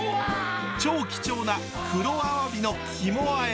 超貴重な黒アワビの肝あえ。